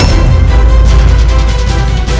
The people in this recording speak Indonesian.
ayah dan ibu buddha